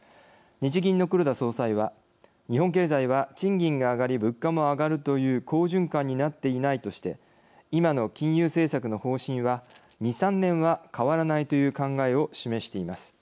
日銀の黒田総裁は「日本経済は賃金が上がり物価も上がるという好循環になっていない」として今の金融政策の方針は２、３年は変わらないという考えを示しています。